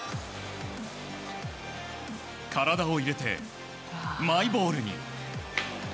体を入れて、マイボールに。